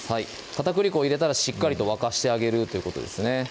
片栗粉を入れたらしっかりと沸かしてあげるということですね